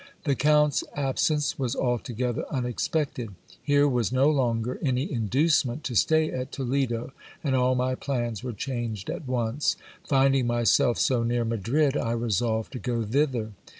The count's absence was altogether unexpected : here was no longer any in ducement to stay at Toledo, and all my plans were changed at once. Finding myself so near Madrid, I resolved to go thither.